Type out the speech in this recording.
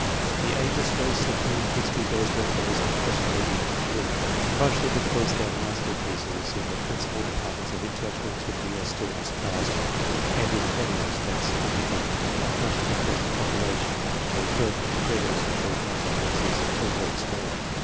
The ablest race of whom history bears record is un questionably the ancient Greek, partly because their master pieces in the principal departments of intellectual activity are still unsurpassed, and in many respects un equalled, and partly because the population that gave birth \^> to the creators of those master pieces was very small.